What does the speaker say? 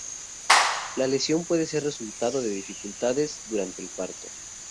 La lesión puede ser resultado de dificultades durante el parto.